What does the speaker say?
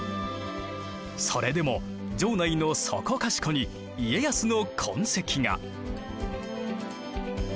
それでも城内のそこかしこに家康の痕跡が。